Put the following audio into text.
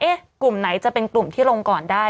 กลุ่มไหนจะเป็นกลุ่มที่ลงก่อนได้